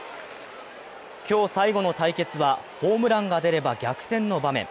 今日最後の対決はホームランが出れば逆転の場面。